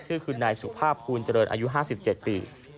ชื่อคือนายสุภาพภูลเจริญอายุ๕๗ปี